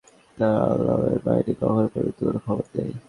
অথচ হযরত খালিদ রাযিয়াল্লাহু আনহু-এর বাহিনীর এখনও পর্যন্ত কোন খবর নেই।